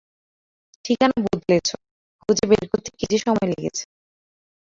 ঠিকানা বদলেছ, খুঁজে বের করতে কিছু সময় লেগেছে।